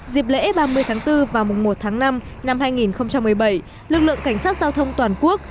dịp lễ ba mươi tháng bốn và mùng một tháng năm năm hai nghìn một mươi bảy lực lượng cảnh sát giao thông toàn quốc